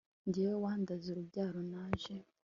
njye wandaze urubyaro, naje